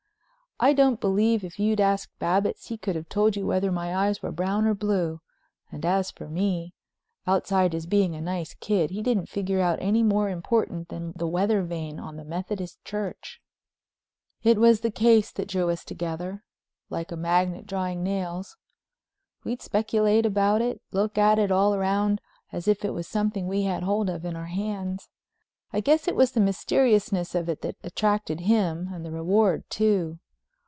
I don't believe if you'd asked Babbitts he could have told you whether my eyes were brown or blue, and as for me—outside his being a nice kid he didn't figure out any more important than the weathervane on the Methodist Church. It was "the case" that drew us together like a magnet drawing nails. We'd speculate about it, look at it all round as if it was something we had hold of in our hands. I guess it was the mysteriousness of it that attracted him, and the reward, too.